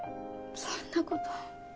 そんなこと！